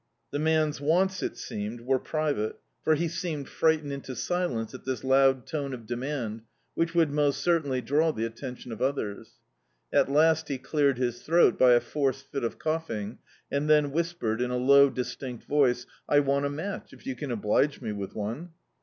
The man's wants, it seemed, were private, for he seemed frightened Dictzed by Google The Autobiography of a Super Tramp into silence at this loud tone of demand, which would most certainly draw the attention of others. At last he cleared his throat by a forced £t of coughing, and then whispered, in a low distinct voice — "I want a match, if you can oblige me with one."